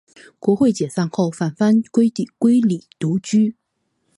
国会解散后返乡归里独居。